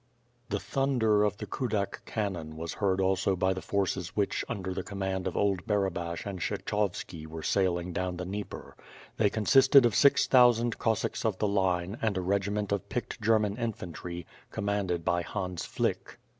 The thunder of the Kudak camion was heard also by the forces which under the command of old Barabash and Kshe chovski were sailing down the Dnieper. They consisted of six thousand Cossacks of the Line and a regiment of picked German infantry, comanded by Hans Flick.